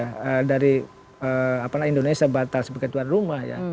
kalau kita lihat konstruksi indonesia batal sebagai tuan rumah ya